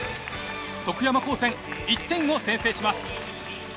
徳山高専１点を先制します。